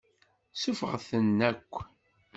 Suffɣet-ten akk.